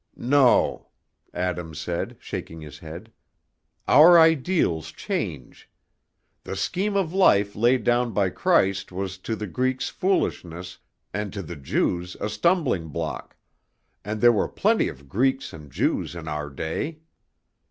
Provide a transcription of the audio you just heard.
"No," Adam said, shaking his head; "our ideals change. The scheme of life laid down by Christ was to the Greeks foolishness and to the Jews a stumbling block, and there were plenty of Greeks and Jews in our day.